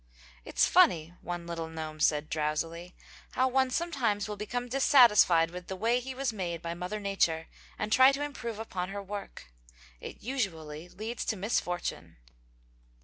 "It's funny," one little gnome said drowsily, "how one sometimes will become dissatisfied with the way he was made by Mother Nature and try to improve upon her work! It usually leads to misfortune."